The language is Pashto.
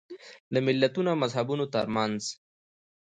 د ملتونو او مذهبونو ترمنځ.